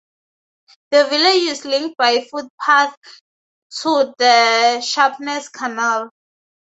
The village is linked by footpath to the Sharpness Canal.